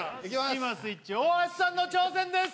スキマスイッチ大橋さんの挑戦です